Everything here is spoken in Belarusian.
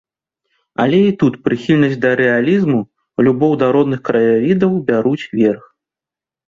Але і тут прыхільнасць да рэалізму, любоў да родных краявідаў бяруць верх.